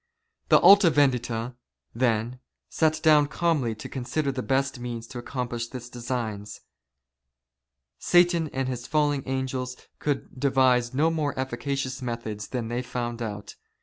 ^ The Alta Vendita, then, sat down calmly to consider the best means to accomplish this design. Satan and his fallen angels could devise no more efficacious methods than they found out.